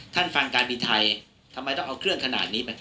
ท่านฟังการบินไทยทำไมต้องเอาเครื่องขนาดนี้